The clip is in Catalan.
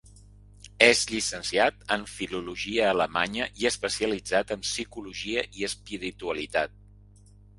És llicenciat en filologia alemanya i especialitzat en psicologia i espiritualitat.